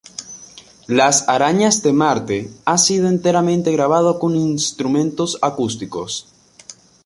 Las arañas de Marte ha sido enteramente grabado con instrumentos acústicos.